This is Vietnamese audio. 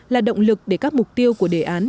là động lực để các mục tiêu của đề án